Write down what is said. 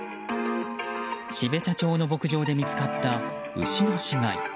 標茶町の牧場で見つかった牛の死骸。